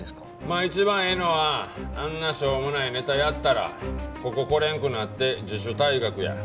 まあ一番ええのはあんなしょうもないネタやったらここ来れんくなって自主退学や。